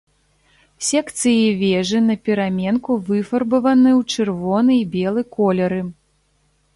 Секцыі вежы напераменку выфарбаваны ў чырвоны і белы колеры.